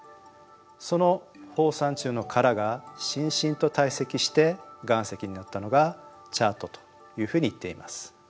その放散虫の殻がしんしんと堆積して岩石になったのがチャートというふうにいっています。